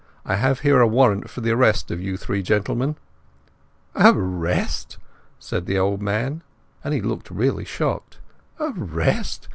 I have a warrant for the arrest of you three gentlemen." "Arrest," said the old man, and he looked really shocked. "Arrest!